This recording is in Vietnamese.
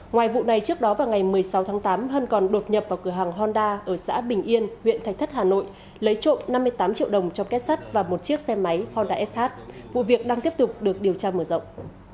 ngoài vụ này trước đó vào ngày một mươi sáu tháng tám hân còn đột nhập vào cửa hàng honda ở xã bình yên huyện thạch thất hà nội lấy trộm năm mươi tám triệu đồng cho kết sắt và một chiếc xe máy honda sh vụ việc đang tiếp tục được điều tra mở rộng